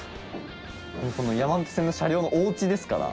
山手線の車両のおうちですから。